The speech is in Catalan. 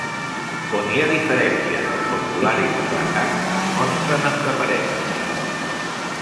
On hi ha diferències als formularis Ratak, es mostren entre parèntesis.